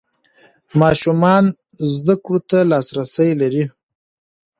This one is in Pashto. ماشومان زده کړو ته لاسرسی لري.